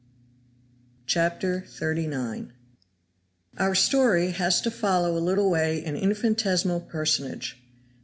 CHAPTER XXXIX. OUR story has to follow a little way an infinitesimal personage.